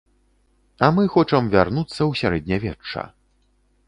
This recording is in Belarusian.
А мы хочам вярнуцца ў сярэднявечча.